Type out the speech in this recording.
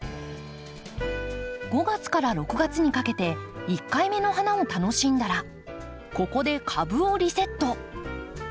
５月から６月にかけて１回目の花を楽しんだらここで株をリセット。